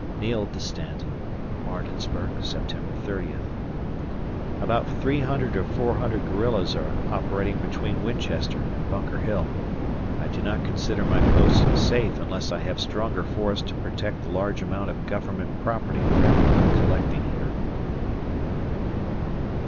[Neil to Stanton] Martinsburg, September 30th. About 300 or 400 guerillas are operating between Winchester and Bunker Hill. I do not consider my post safe unless I have stronger force to protect the large amount of Government property rapidly collecting here.